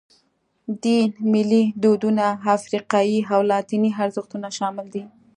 دین، ملي دودونه، افریقایي او لاتیني ارزښتونه شامل دي.